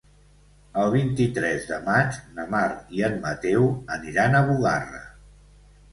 El vint-i-tres de maig na Mar i en Mateu aniran a Bugarra.